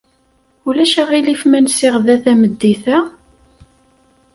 Ulac aɣilif ma nsiɣ da tameddit-a?